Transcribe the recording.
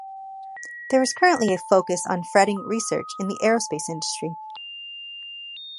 There is currently a focus on fretting research in the aerospace industry.